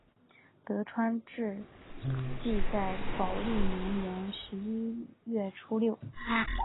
德川治济在宝历元年十一月初六。